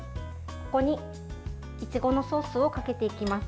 ここに、いちごのソースをかけていきます。